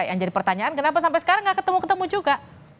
yang jadi pertanyaan kenapa sampai sekarang gak ketemu ketemu juga